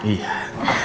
oke ya pak